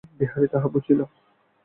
বিহারী তাহা বুঝিল।